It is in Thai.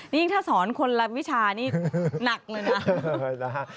ยิ่งถ้าสอนคนละวิชานี่หนักเลยนะ